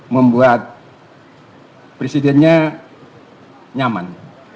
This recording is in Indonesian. membuat presidennya nyaman